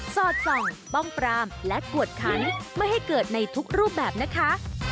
สอดส่องป้องปรามและกวดขันไม่ให้เกิดในทุกรูปแบบนะคะ